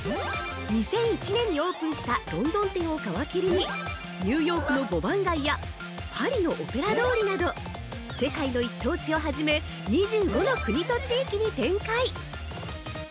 ２００１年にオープンしたロンドン店を皮切りに、ニューヨークの五番街やパリのオペラ通りなど世界の一等地を初め２５の国と地域に展開！